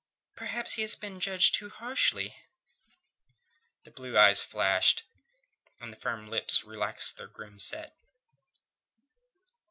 perhaps he has been judged too harshly." The blue eyes flashed, and the firm lips relaxed their grim set.